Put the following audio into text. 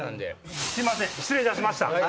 すいません失礼いたしました。